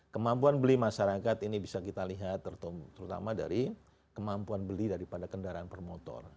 kemampuan beli masyarakat ini bisa kita lihat terutama dari kemampuan beli daripada kendaraan per motor